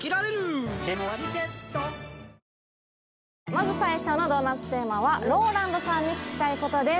まず最初のドーナツテーマはＲＯＬＡＮＤさんに聞きたいことです